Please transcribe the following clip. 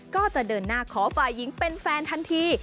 ก็จะเดินหน้าขอฝ่ายหญิงเป็นแฟนทันที